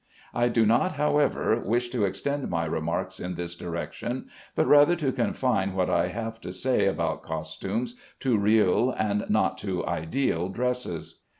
I do not, however, wish to extend my remarks in this direction, but rather to confine what I have to say about costumes to real, and not to ideal dresses.